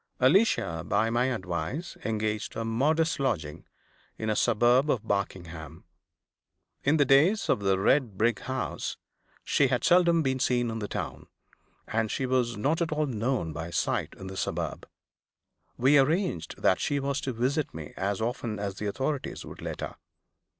Alicia, by my advice, engaged a modest lodging in a suburb of Barkingham. In the days of the red brick house, she had seldom been seen in the town, and she was not at all known by sight in the suburb. We arranged that she was to visit me as often as the authorities would let her.